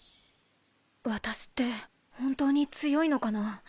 私って本当に強いのかな。